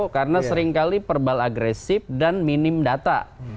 karena seringkali verbal agresif dan minim data